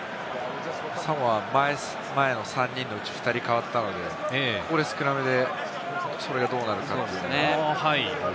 サモアは前の３人のうち２人が代わったので、ここでスクラムでどうなるかという。